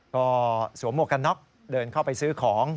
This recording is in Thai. ก็สวมหมวกกันน็อกเดินเข้าไปซื้อของ